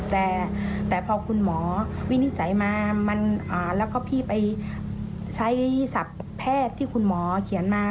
แต่พอคุณหมอวินิจฉัยมาแล้วก็พี่ไปใช้ศัพท์แพทย์ที่คุณหมอเขียนมา